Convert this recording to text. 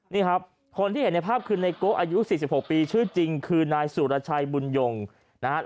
นี่ครับคนที่เห็นในภาพคือในโกะอายุ๔๖ปีชื่อจริงคือนายสุรชัยบุญยงนะครับ